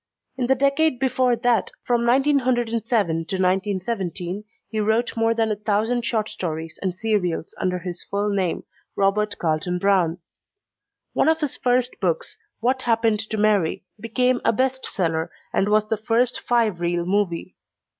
In the decade before that, from 1907 to 1917, he wrote more than a thousand short stories and serials under his full name, Robert Carlton Brown. One of his first books, What Happened to Mary, became a best seller and was the first five reel movie.